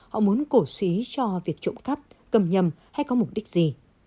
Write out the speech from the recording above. họ muốn cổ suý cho việc trộm cắp cầm nhầm hay có mục đích gì